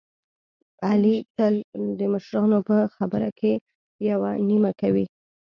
علي تل د مشرانو په خبره کې یوه نیمه کوي.